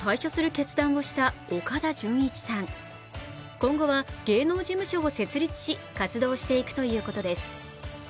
今後は芸能事務所を設立し活動していくということです。